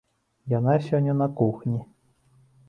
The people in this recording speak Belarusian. Яна сёння на кухні.